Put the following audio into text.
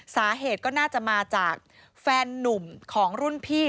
สาเหตุก็น่าจะมาจากแฟนนุ่มของรุ่นพี่